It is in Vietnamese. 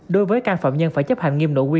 đối với căn phạm nhân phải chấp hành nghiêm nội quy